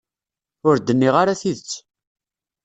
Ur d-nniɣ ara tidet.